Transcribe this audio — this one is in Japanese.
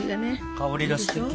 香りがすてき。